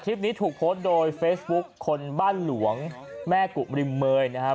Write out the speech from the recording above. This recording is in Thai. คลิปนี้ถูกโพสต์โดยเฟซบุ๊คคนบ้านหลวงแม่กุมริมเมยนะครับ